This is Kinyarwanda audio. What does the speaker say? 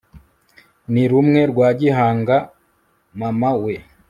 ni rumwe rwa gihanga mama we